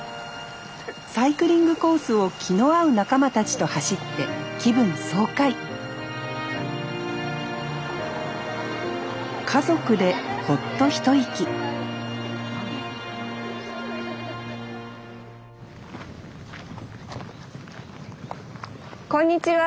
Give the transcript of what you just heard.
サイクリングコースを気の合う仲間たちと走って気分爽快家族でホッと一息こんにちは。